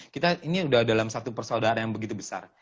kita ini sudah dalam satu persaudaraan yang begitu besar